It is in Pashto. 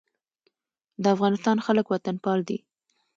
د افغانستان خلک وطنپال دي